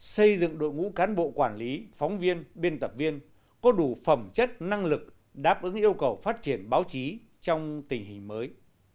xây dựng đội ngũ cán bộ quản lý phóng viên biên tập viên có đủ phẩm chất năng lực đáp ứng yêu cầu phát triển báo chí trong tình hình mới